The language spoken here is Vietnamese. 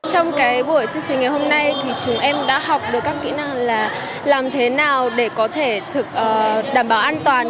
trong buổi chương trình ngày hôm nay thì chúng em đã học được các kỹ năng là làm thế nào để có thể đảm bảo an toàn